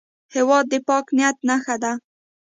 هېواد د پاک نیت نښه ده.